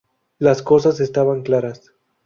Las cosas estaban claras.